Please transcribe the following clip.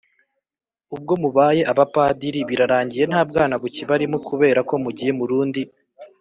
ubwo mubaye abapadiri, birarangiye nta bwana bukibarimo kubera ko mugiye mu rundi